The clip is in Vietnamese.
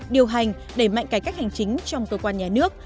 điều hành đẩy mạnh cải cách hành chính trong cơ quan nhà nước